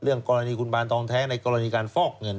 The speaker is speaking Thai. กรณีคุณบานทองแท้ในกรณีการฟอกเงิน